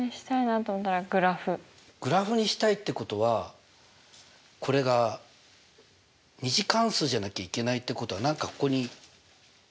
グラフにしたいってことはこれが２次関数じゃなきゃいけないってことは何かここに。＝？